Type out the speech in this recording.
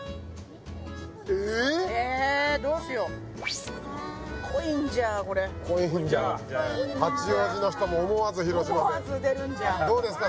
ええええどうしよう濃いんじゃこれ濃いんじゃ濃いんじゃわな八王子の人も思わず広島弁思わず出るんじゃどうですか？